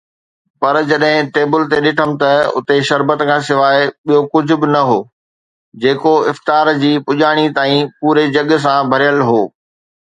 پر جڏهن ٽيبل تي ڏٺم ته اتي شربت کان سواءِ ٻيو ڪجهه به نه هو، جيڪو افطار جي پڄاڻيءَ تائين پوري جڳ سان ڀريل هو.